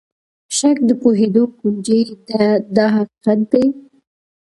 شک د پوهېدلو کونجۍ ده دا حقیقت دی.